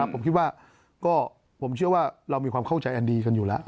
ผมคิดว่าเรามีความเข้าใจแอลดีกันอยู่แล้ว